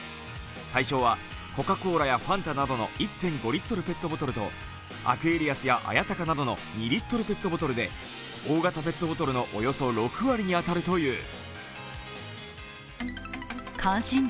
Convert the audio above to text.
対象はコカ・コーラやファンタなどの１．５リットルペットボトルとアクエリアスや綾鷹などの２リットルペットボトルで大型ペットボトルのおよそ６割に当たるという。